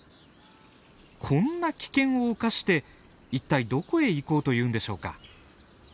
こんな危険を冒して一体どこへ行こうというんでしょうか？